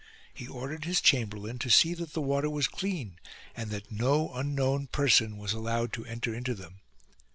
He ordered his chamberlain to see that the water was clean and that no unknown person was allowed to enter into them.